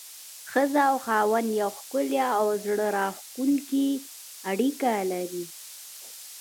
ښځه او خاوند يوه ښکلي او زړه راښکونکي اړيکه لري.